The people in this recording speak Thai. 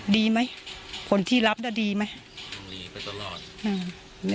ดีไหมผลที่รับได้ดีไหม